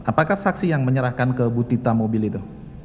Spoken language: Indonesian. apakah saksi yang menyerahkan ke bu tita mobil itu